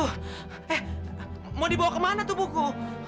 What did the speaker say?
eh mau dibawa kemana tubuhku